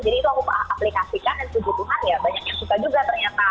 jadi itu aku aplikasikan dan sumpah ya banyak yang suka juga ternyata